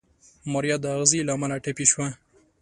ماريا د اغزي له امله ټپي شوه.